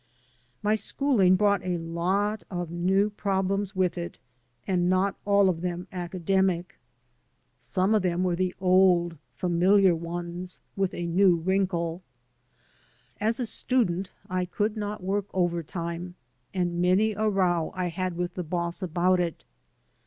My schooling brought a lot of new problems with it, and not all of them academic. Some of them were the 178 THE TRIALS OP SCHOLARSHIP old, familiar ones with a new wrinkle. As a student I could not work overtime, and many a row I had with the boss about it.